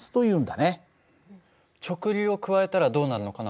直流を加えたらどうなるのかな？